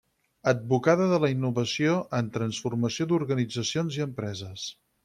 Advocada de la innovació en transformació d'organitzacions i empreses.